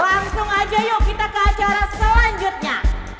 langsung aja yuk kita ke acara selanjutnya